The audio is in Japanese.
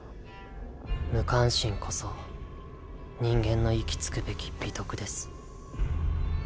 無関心こそ人間の行き着くべき美徳です。